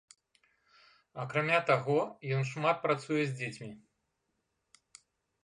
Акрамя таго, ён шмат працуе з дзецьмі.